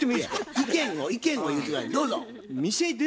意見を言うて下さい。